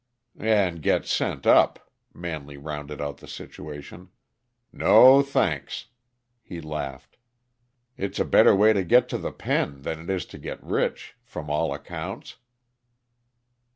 "And get sent up," Manley rounded out the situation. "No, thanks." He laughed. "It's a better way to get to the pen than it is to get rich, from all accounts."